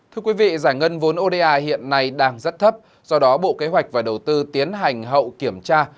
thưa quý vị giải ngân vốn oda hiện nay đang rất thấp do đó bộ kế hoạch và đầu tư tiến hành hậu kiểm tra